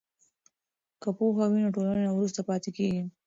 که پوهه وي نو ټولنه نه وروسته پاتې کیږي.